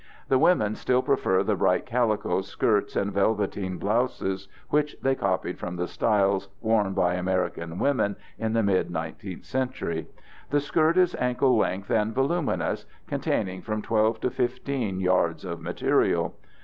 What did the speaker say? The women still prefer the bright calico skirts and velveteen blouses which they copied from the styles worn by American women in the mid 19th century. The skirt is ankle length and voluminous, containing from 12 to 15 yards of material.